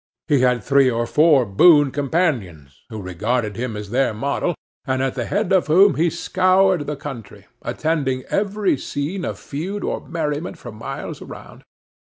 He had three or four boon companions, who regarded him as their model, and at the head of whom he scoured the country, attending every scene of feud or merriment for miles round.